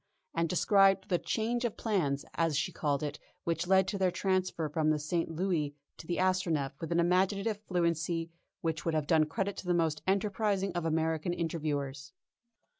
_, and described the "change of plans," as she called it, which led to their transfer from the St. Louis to the Astronef with an imaginative fluency which would have done credit to the most enterprising of American interviewers.